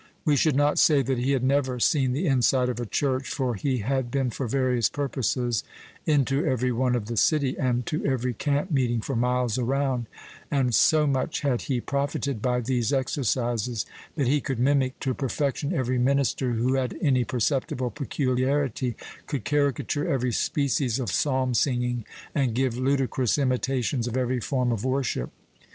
We should not say that he had never seen the inside of a church, for he had been, for various purposes, into every one of the city, and to every camp meeting for miles around; and so much had he profited by these exercises, that he could mimic to perfection every minister who had any perceptible peculiarity, could caricature every species of psalm singing, and give ludicrous imitations of every form of worship.